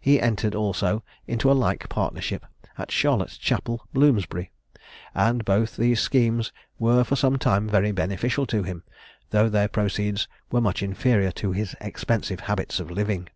He entered also into a like partnership at Charlotte Chapel, Bloomsbury, and both these schemes were for some time very beneficial to him, though their proceeds were much inferior to his expensive habits of living.